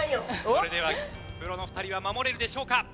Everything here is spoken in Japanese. それではプロの２人は守れるでしょうか？